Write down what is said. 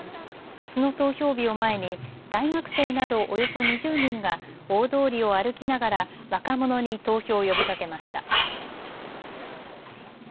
あすの投票日を前に大学生などおよそ２０人が大通りを歩きながら若者に投票を呼びかけました。